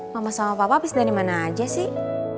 mama sama papa pis dari mana aja sih